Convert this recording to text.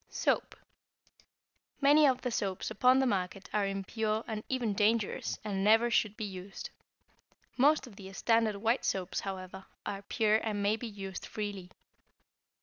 =Soap.= Many of the soaps upon the market are impure and even dangerous, and never should be used. Most of the standard white soaps, however, are pure and may be used freely.